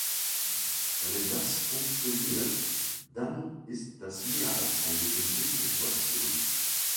Wenn das funktioniert, dann ist das mehr als eine Win-Win-Situation.